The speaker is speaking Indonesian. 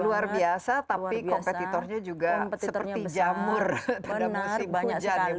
luar biasa tapi kompetitornya juga seperti jamur pada musim hujan ya